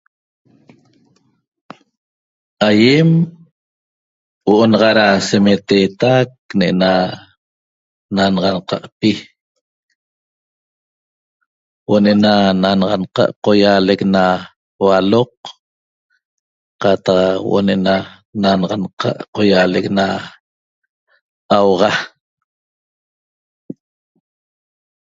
Aýem huo'o naxa da semeteetac ne'na nanaxanqa'pi huo'o ne'ena nanaxanqa' qoýaale na hualoq qataq huo'o na nanaxanqa' qoýaalec na 'auxa